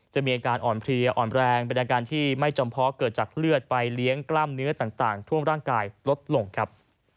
มีอาการอ่อนเพลียอ่อนแรงเป็นอาการที่ไม่จำเพาะเกิดจากเลือดไปเลี้ยงกล้ามเนื้อต่างท่วมร่างกายลดลงครับ